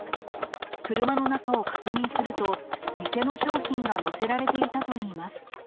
車の中を確認すると、店の商品が載せられていたといいます。